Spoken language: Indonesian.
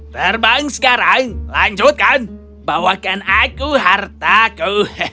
terbang sekarang lanjutkan bawakan aku hartaku